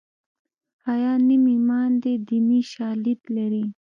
حیا نیم ایمان دی دیني شالید لري